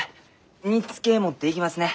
煮つけ持っていきますね。